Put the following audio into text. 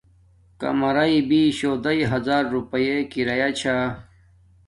کمراݵ بیشوہ دیݵ ہزار روپیے کیرایا چھاہ